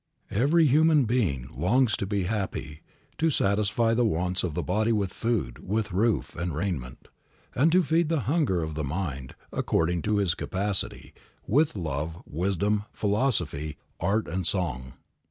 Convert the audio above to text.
Every human being longs to be happy, to satisfy the wants of the body with food, with roof and raiment, and to feed the hunger of the mind, according to his capacity, with love, wisdom, philosophy, art and song.